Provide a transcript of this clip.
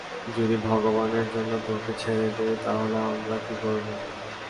যদি ভগবানের জন্য তোকে ছেড়ে দেই, তাহলে আমরা কী করবো?